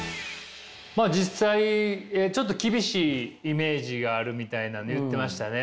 まあ実際ちょっと厳しいイメージがあるみたいなね言ってましたね。